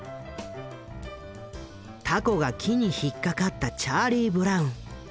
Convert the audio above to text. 凧が木に引っ掛かったチャーリー・ブラウン。